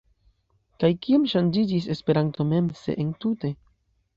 Kaj kiom ŝanĝiĝis Esperanto mem, se entute?